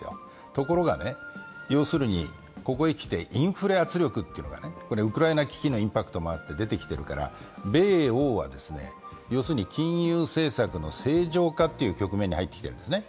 ところがここにきてインフレ圧力というのがウクライナ危機のインパクトもあって、出てきてるから、米欧は金融政策の正常化という局面に入ってきているんですね。